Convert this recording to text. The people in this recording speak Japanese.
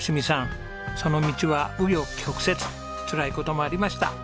その道は紆余曲折つらい事もありました。